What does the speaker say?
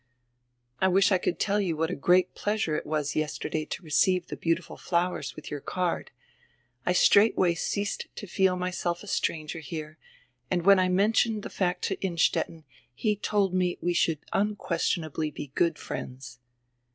"I wish I could tell you what a great pleasure it was yesterday to receive the beau tiful flowers widi your card. I straightway ceased to feel myself a stranger here and when I mentioned die fact to Innstetten he told me we should unquestionably be good friends."